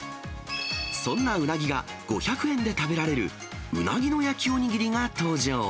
そんなうなぎが５００円で食べられるうなぎの焼きお握りが登場。